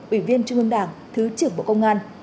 ủy viên trung ương đảng thứ trưởng bộ công an